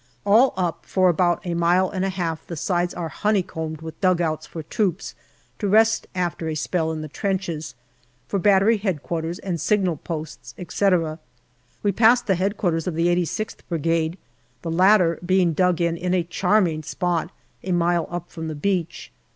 All up, for about a mile and a half, the sides are honeycombed with dugouts for troops to rest after a spell in the trenches, for Battery H.Q., and signal posts, etc. We passed the H.Q. of the 86th Brigade, the latter being dug in in a charming spot a mile up from the beach.